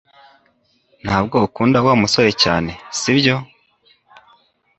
Ntabwo ukunda Wa musore cyane, sibyo?